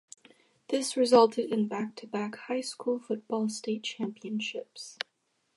This resulted in back-to-back High School Football State Championships.